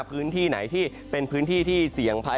พื้นที่ไหนที่เป็นพื้นที่ที่เสี่ยงภัย